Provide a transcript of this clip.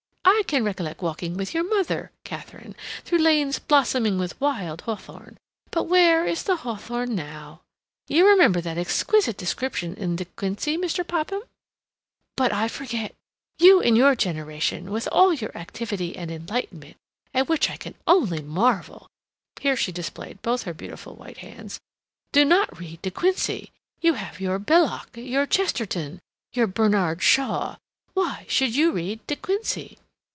I can recollect walking with your mother, Katharine, through lanes blossoming with wild hawthorn. But where is the hawthorn now? You remember that exquisite description in De Quincey, Mr. Popham?—but I forget, you, in your generation, with all your activity and enlightenment, at which I can only marvel"—here she displayed both her beautiful white hands—"do not read De Quincey. You have your Belloc, your Chesterton, your Bernard Shaw—why should you read De Quincey?"